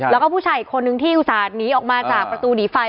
แล้วก็ผู้ชายอีกคนนึงที่อุตส่าห์หนีออกมาจากประตูหนีไฟ